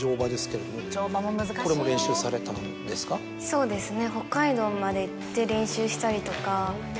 そうですね。